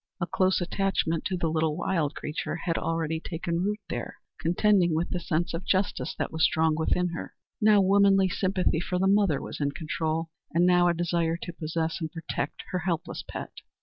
A close attachment to the little wild creature had already taken root there, contending with the sense of justice that was strong within her. Now womanly sympathy for the mother was in control, and now a desire to possess and protect her helpless pet.